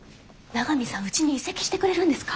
長見さんうちに移籍してくれるんですか？